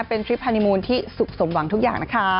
เป็นทริปฮานีมูลที่สุขสมหวังทุกอย่างนะคะ